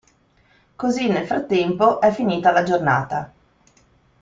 Così nel frattempo è finita la giornata.